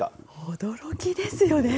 驚きですよね。